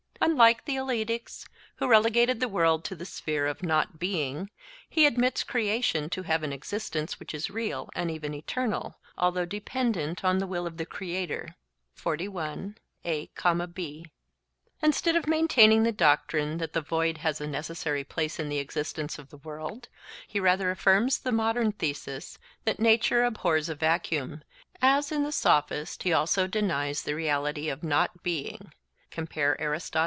Unlike the Eleatics, who relegated the world to the sphere of not being, he admits creation to have an existence which is real and even eternal, although dependent on the will of the creator. Instead of maintaining the doctrine that the void has a necessary place in the existence of the world, he rather affirms the modern thesis that nature abhors a vacuum, as in the Sophist he also denies the reality of not being (Aristot.